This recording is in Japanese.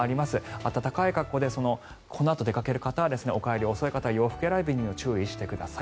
暖かい格好でこのあと出かける方はお帰りが遅い方は洋服選びにも注意してください。